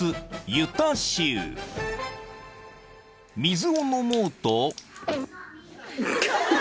［水を飲もうと］